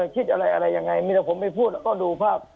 คิดอะไรอะไรยังไงมีแต่ผมไปพูดแล้วก็ดูภาพ